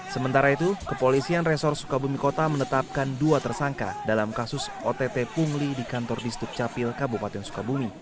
sementara itu kepolisian resor sukabumi kota menetapkan dua tersangka dalam kasus ott pungli di kantor disduk capil kabupaten sukabumi